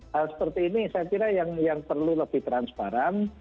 hal seperti ini saya kira yang perlu lebih transparan